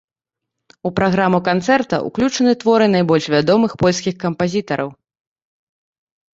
У праграму канцэрта ўключаны творы найбольш вядомых польскіх кампазітараў.